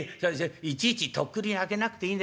いちいちとっくりにあけなくていいんだ。